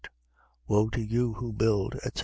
Woe to you who build, etc.